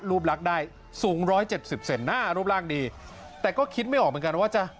ลักษณ์ได้สูงร้อยเจ็ดสิบเซนหน้ารูปร่างดีแต่ก็คิดไม่ออกเหมือนกันว่าจะ